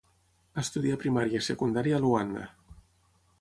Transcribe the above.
Estudià primària i secundària a Luanda.